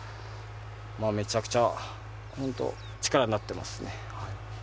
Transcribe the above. めちゃくちゃ本当力になっていますね。